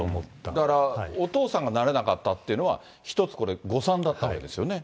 だから、お父さんがなれなかったというのは、一つこれ誤算だったわけですよね。